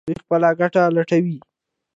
دوی خپله ګټه لټوي.